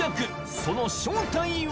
その正体は？